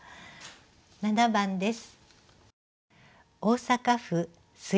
７番です。